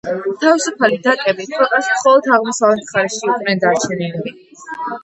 თავისუფალი დაკები ქვეყნის მხოლოდ აღმოსავლეთ მხარეში იყვნენ დარჩენილნი.